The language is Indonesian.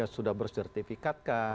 sudah bersertifikat kah